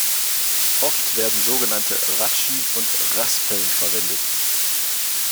Oft werden sogenannte Ratschen und Raspeln verwendet.